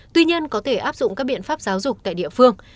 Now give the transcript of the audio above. tuy nhiên có thể áp dụng các biện pháp giáo dục tại địa phương